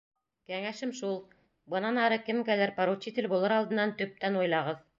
Кәңәшем шул: бынан ары кемгәлер поручитель булыр алдынан төптән уйлағыҙ.